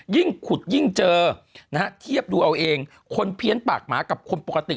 ยิ่งขุดยิ่งเจอนะฮะเทียบดูเอาเองคนเพี้ยนปากหมากับคนปกติ